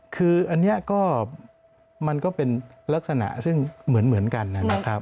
คืออันนี้ก็มันก็เป็นลักษณะซึ่งเหมือนกันนะครับ